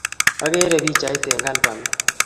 Akere pichait eng' albamit